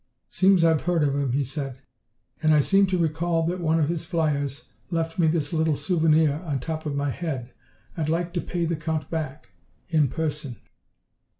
"Seems I've heard of him," he said. "And I seem to recall that one of his flyers left me this little souvenir on the top of my head. I'd like to pay the Count back in person."